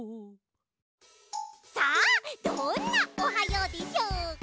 さあどんな「おはよう」でしょうか？